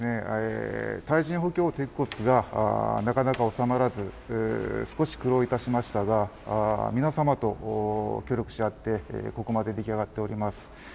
耐震補強鉄骨がなかなかおさまらず、少し苦労いたしましたが、皆様と協力し合って、ここまで出来上がっております。